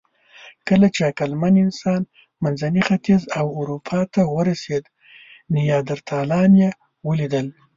کله چې عقلمن انسان منځني ختیځ او اروپا ته ورسېد، نیاندرتالان یې ولیدل.